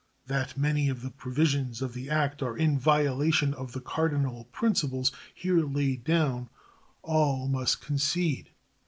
That many of the provisions of that act are in violation of the cardinal principles here laid down all must concede.